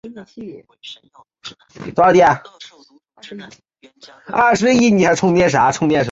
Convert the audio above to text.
南信地方的地区。